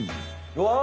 わあ！